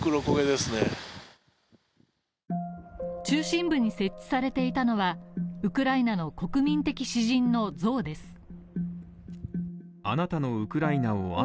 中心部に設置されていたのはウクライナの国民的詩人の像です。